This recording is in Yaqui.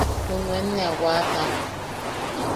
Junuen ne a waata.